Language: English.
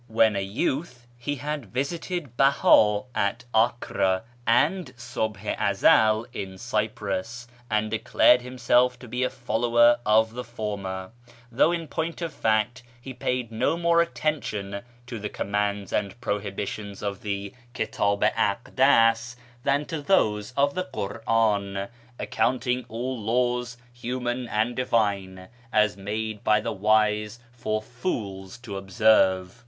When a youth he had visited Beha at Acre and Subh i Ezel in Cyprus, and declared himself to be a follower of the former, though in point of fact he paid no more attention to the commands and prohibitions of the Kitdh i Akdas than to those of the Kur'an, accounting all laws, human and divine, as made by the wise for fools to observe.